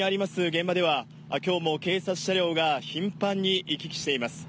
現場では今日も警察車両が頻繁に行き来しています。